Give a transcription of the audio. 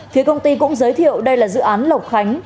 phía công ty cũng giới thiệu đây là dự án lộc khánh